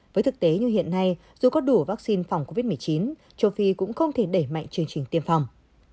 với thực tế như hiện nay dù có đủ vaccine phòng covid một mươi chín châu phi cũng không thể đẩy mạnh chương trình tiêm phòng